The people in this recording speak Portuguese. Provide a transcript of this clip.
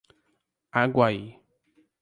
Aguaí